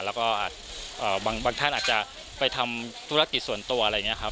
แล้วก็บางท่านอาจจะไปทำธุรกิจส่วนตัวอะไรอย่างนี้ครับ